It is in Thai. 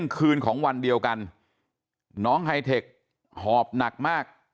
คืนของวันเดียวกันน้องไฮเทคหอบหนักมาก